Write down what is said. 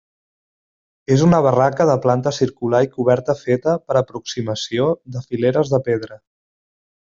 És una barraca de planta circular i coberta feta per aproximació de fileres de pedra.